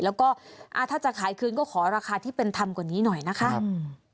ถ้าจะขายคืนขอราคาที่เป็นธรรมกับราคาก่อนนี้หน่อยค่ะ